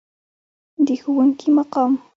د ښوونکي مقام.